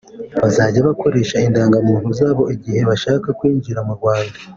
bazajya bakoresha indangamuntu zabo igihe bashaka kwinjira mu Rwanda